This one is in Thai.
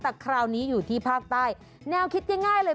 แต่คราวนี้อยู่ที่ภาคใต้แนวคิดง่ายเลย